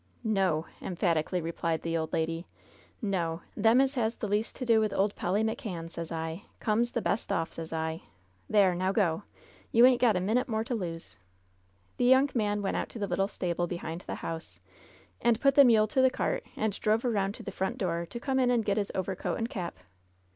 "No!" emphatically replied the old lady. "No I Them as has the least to do with old Polly McCann, sez I, comes the best off, sez I ! There I Now go ! You ain't got a minute more to lose !" The young man went out to the little stable behind the house, and put the mule to the cart, and drove LOVE'S BITTEREST CUP 7 around to the front door, to come in and get his over coat and cap.